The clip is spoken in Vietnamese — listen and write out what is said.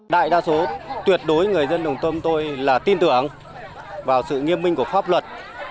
đại đa số tuyệt đối người dân đồng tâm tôi là tin tưởng vào sự nghiêm minh của pháp luật